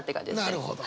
なるほど。